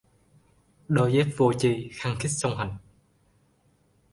Đôi dép vô tri khăng khít song hành